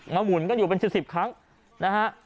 มันหมุนก็อยู่เป็นสิบครั้งนะฮะ